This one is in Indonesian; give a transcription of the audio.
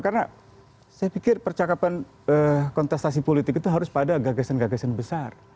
karena saya pikir percakapan kontestasi politik itu harus pada gagasan gagasan besar